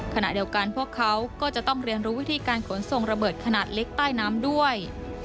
ขณะเดียวกันพวกเขาก็จะต้องเรียนรู้วิธีการขนส่งระเบิดขนาดเล็กใต้น้ำด้วย